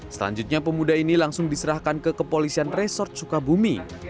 selanjutnya pemuda ini langsung diserahkan ke kepolisian resort sukabumi